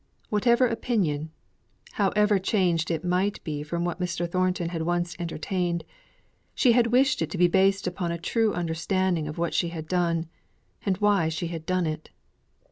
Whatever opinion however changed it might be from what Mr. Thornton had once entertained, she had wished it to be based upon a true understanding of what she had done, and why she had done it.